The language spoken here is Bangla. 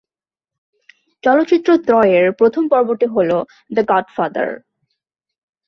চলচ্চিত্র ত্রয় এর প্রথম পর্বটি হল, দ্য গডফাদার।